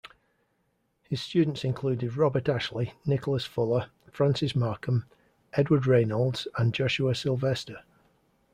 His students included Robert Ashley, Nicholas Fuller, Francis Markham, Edward Reynolds and Josuah Sylvester.